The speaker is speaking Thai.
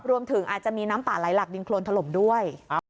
รวมถึงอาจจะมีน้ำป่าไหลหลักดินโครนถล่มด้วย